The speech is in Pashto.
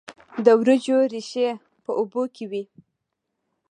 د وریجو ریښې په اوبو کې وي.